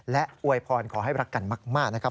และอวยพรขอให้รักกันมากนะครับ